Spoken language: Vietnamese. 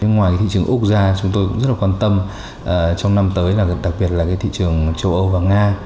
ngoài cái thị trường úc ra chúng tôi cũng rất là quan tâm trong năm tới là đặc biệt là cái thị trường châu âu và nga